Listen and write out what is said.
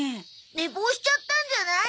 寝坊しちゃったんじゃない？